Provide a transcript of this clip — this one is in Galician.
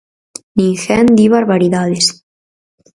Ninguén di barbaridades.